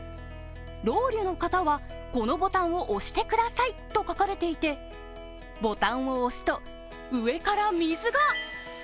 「ロウリュウの方はこのボタンを押してください」と書かれていて、ボタンを押すと、上から水が。